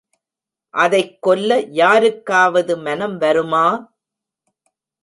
அதைக் கொல்ல யாருக்காவது மனம் வருமா!